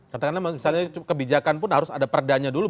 katakanlah misalnya kebijakan pun harus ada perdanya dulu